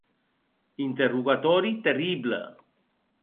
Interrogatòri terrible!